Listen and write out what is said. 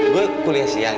gue kuliah siang